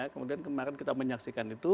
kemudian kemarin kita menyaksikan itu